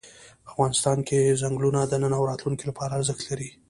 افغانستان کې چنګلونه د نن او راتلونکي لپاره ارزښت لري.